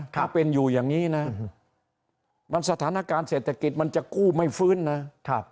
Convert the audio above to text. ถ้าเป็นอยู่อย่างนี้นะมันสถานการณ์เศรษฐกิจมันจะกู้ไม่ฟื้นนะ